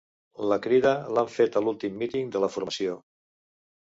La crida l'han fet a l'últim míting de la formació